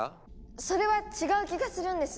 それは違う気がするんです。